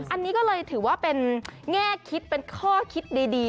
อันนี้ก็เลยถือว่าเป็นแง่คิดเป็นข้อคิดดี